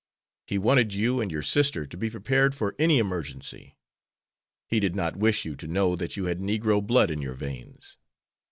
He wanted you and your sister to be prepared for any emergency. He did not wish you to know that you had negro blood in your veins.